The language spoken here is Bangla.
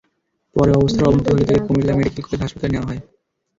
পরে অবস্থার অবনতি হলে তাকে কুমিল্লা মেডিকেল কলেজ হাসপাতালে নেওয়া হয়।